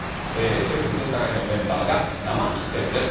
政府、分科会のメンバーが生出演です。